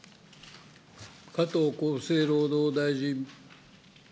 加藤厚生労働大臣。